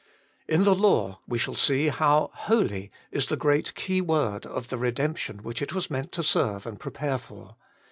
In the law we shall see how HOLY is the great key 22 HOLY IN CHRIST. word of the redemption which it was meant to serve and prepare for.